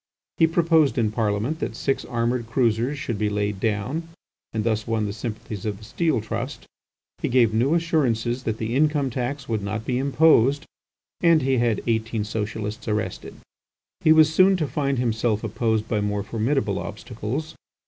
He proposed in Parliament that six armoured cruisers should be laid down, and thus won the sympathies of the Steel Trust; he gave new assurances that the income tax would not be imposed, and he had eighteen Socialists arrested. He was soon to find himself opposed by more formidable obstacles.